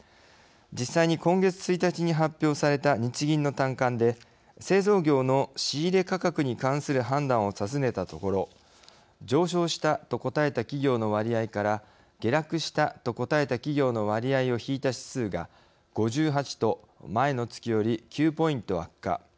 実際に、今月１日に発表された日銀の短観で、製造業の仕入れ価格に関する判断をたずねたところ上昇したと答えた企業の割合から下落したと答えた企業の割合を引いた指数が、５８と前の月より、９ポイント悪化。